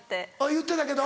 言ってたけど。